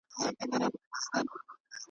نو دي رنځ د ولادت درته آسان وي .